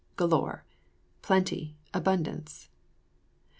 GALORE. Plenty, abundance.